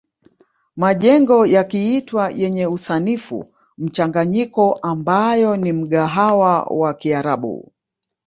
Majengo yakiitwa yenye usanifu mchanganyiko ambayo ni mgahawa wa kiarabu